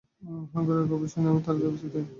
হাঙ্গরের খবর শুনেই, আমরা তাড়াতাড়ি উপস্থিত।